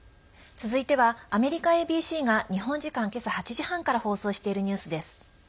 続いてはアメリカＡＢＣが日本時間、今朝８時半から放送しているニュースです。